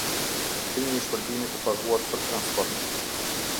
Kthimi i shpërblimit të paguar për transport.